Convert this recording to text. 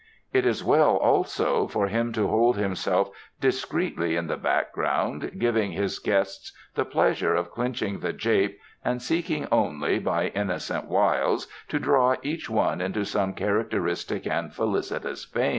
It is well, also, for him to hold himself discreetly in the background, giving his guests the pleasure of clinching the jape, and seeking only, by innocent wiles, to draw each one into some characteristic and felicitous vein.